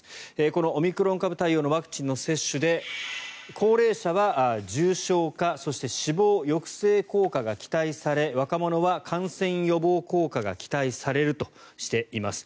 このオミクロン株対応のワクチンの接種で、高齢者は重症化そして死亡抑制効果が期待されて若者は感染予防効果が期待されるとしています。